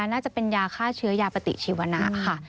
น่าจะเป็นยาฆ่าเชื้อยาปฏิชีวนะค่ะ